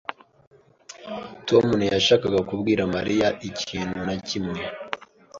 Tom ntiyashakaga kubwira Mariya ikintu na kimwe.